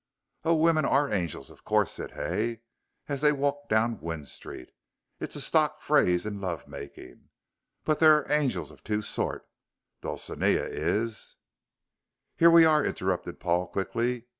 "Oh, women are angels, of course," said Hay as they walked down Gwynne Street; "it's a stock phrase in love making. But there are angels of two sorts. Dulcinea is " "Here we are," interrupted Paul, quickly.